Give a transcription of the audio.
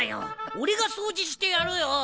俺が掃除してやるよ。